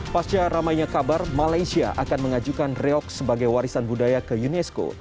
pasca ramainya kabar malaysia akan mengajukan reok sebagai warisan budaya ke unesco